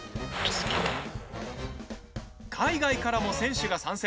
海外からも選手が参戦。